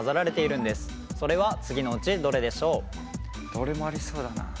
どれもありそうだな。